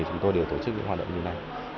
chúng tôi đều tổ chức những hoạt động như này